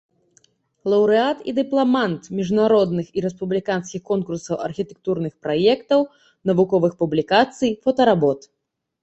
Лаўрэат і дыпламант міжнародных і рэспубліканскіх конкурсаў архітэктурных праектаў, навуковых публікацый, фотаработ.